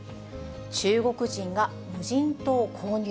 中国人が無人島購入？